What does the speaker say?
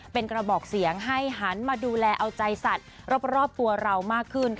เป็นกระบอกเสียงให้หันมาดูแลเอาใจสัตว์รอบตัวเรามากขึ้น